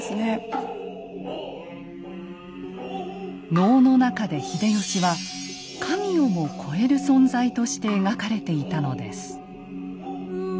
能の中で秀吉は神をも超える存在として描かれていたのです。